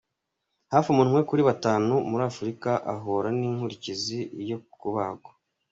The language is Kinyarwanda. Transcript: Hafi umuntu umwe kuri batanu muri Afurika ahura n’inkurikizi zo kubagwa.